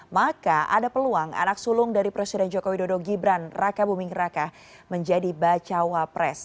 maka ada peluang anak sulung dari presiden joko widodo gibran raka buming raka menjadi bacawa pres